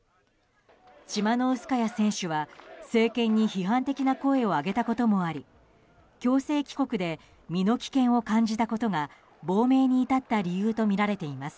チマノウスカヤ選手は、政権に批判的な声を上げたこともあり強制帰国で身の危険を感じたことが亡命に至った理由とみられています。